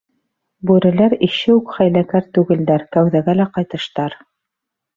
Бүреләр ише үк хәйләкәр түгелдәр, кәүҙәгә лә ҡайтыштар.